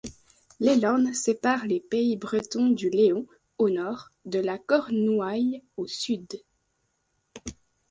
L’Élorn sépare les pays bretons du Léon, au nord, de la Cornouaille au sud.